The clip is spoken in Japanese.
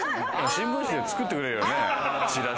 新聞紙で作ってくれるよね。